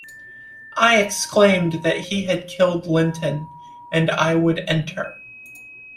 I exclaimed that he had killed Linton, and I would enter.